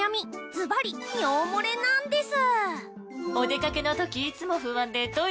ずばり尿もれなンデス！